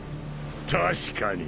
確かに